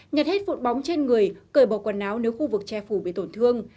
nhặt hết phụt bóng trên người cởi bỏ quần áo nếu khu vực che phủ bị tổn thương